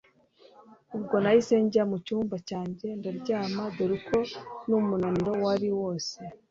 ubwo nahise njye mucyumba cyanjye ndaryama dore ko numunaniro wari wose